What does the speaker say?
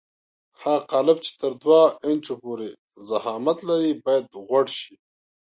هغه قالب چې تر دوه انچو پورې ضخامت لري باید غوړ شي.